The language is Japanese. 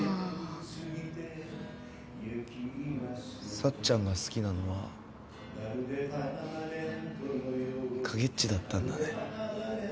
さっちゃんが好きなのは影っちだったんだね。